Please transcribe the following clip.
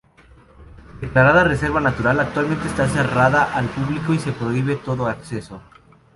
Declarada reserva natural, actualmente está cerrada al público y se prohíbe todo acceso.